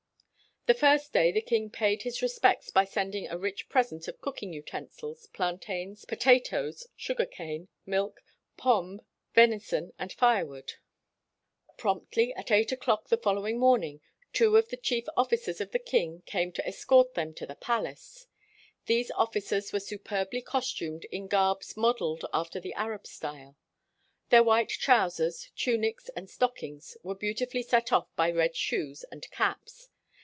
The first day the king paid his respects by sending a rich present of cooking utensils, plantains, potatoes, sugar cane, milk, pombe, venison, and firewood. Promptly 73 WHITE MAN OF WORK at eight o'clock the following morning, two of the chief officers of the king came to es cort them to the palace. These officers were superbly costumed in garbs modeled after the Arab style. Their white trousers, tunics, and stockings, were beautifully set off by red shoes and caps.